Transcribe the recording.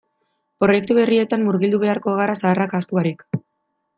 Proiektu berrietan murgildu beharko gara zaharrak ahaztu barik.